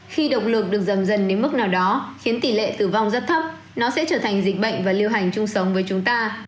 khi động lực được giảm dần đến mức nào đó khiến tỷ lệ tử vong rất thấp nó sẽ trở thành dịch bệnh và lưu hành chung sống với chúng ta